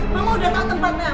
mama udah tau tempatnya